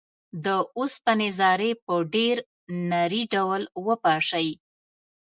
د اوسپنې ذرې په ډیر نري ډول وپاشئ.